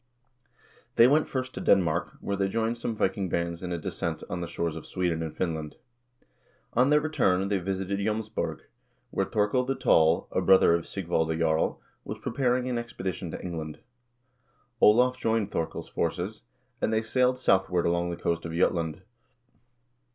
They went first to Denmark, where they joined some Viking bands in a descent on the shores of Sweden and Finland. On their return they visited J 6ms borg, where Thorkel the Tall, a brother of Sigvalde Jarl, was pre paring an expedition to England. Olav joined Thorkel's forces, and they sailed southward along the coast of Jutland.